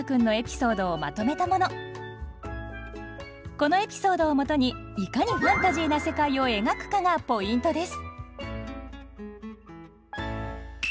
このエピソードをもとにいかにファンタジーな世界を描くかがポイントです。